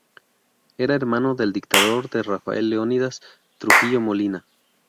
Era hermano del dictador de Rafael Leónidas Trujillo Molina.